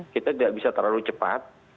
kita tidak bisa terlalu cepat